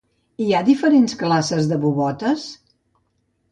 Hi ha diferents classes de bubotes?